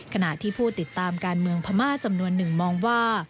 ขณะที่ผู้ติดตามการเมืองพม่าจำนวนหนึ่งมองว่า